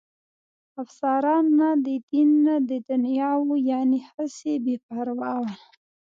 افسران نه د دین نه د دنیا وو، یعنې هسې بې پروا ول.